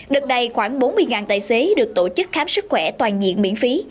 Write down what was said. đợt này khoảng bốn mươi tài xế được tổ chức khám sức khỏe toàn diện miễn phí